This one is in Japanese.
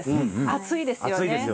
暑いですよね。